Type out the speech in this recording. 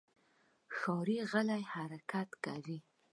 ښکاري غلی حرکت کوي.